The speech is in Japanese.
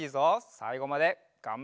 さいごまでがんばれるか？